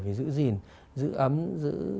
phải giữ gìn giữ ấm giữ